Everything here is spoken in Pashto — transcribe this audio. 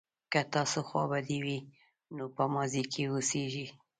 که تاسو خوابدي وئ نو په ماضي کې اوسیږئ.